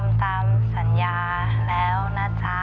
แม่ทำตามสัญญาแล้วนะจ๊ะ